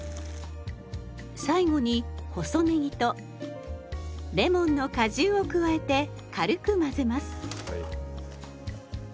最後に細ねぎとレモンの果汁を加えて軽く混ぜます。